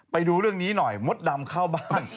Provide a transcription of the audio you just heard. ไปดูเรื่องนี้หน่อยมดดำเข้าบ้าน